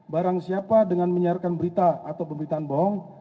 barang siapa dengan menyiarkan berita atau pemberitaan bohong